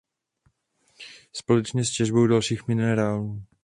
Společně s těžbou dalších minerálů.